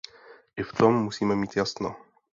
I v tom musíme mít jasno.